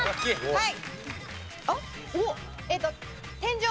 はい。